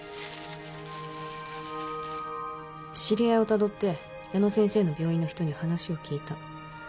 知り合いをたどって矢野先生の病院の人に話を聞いた。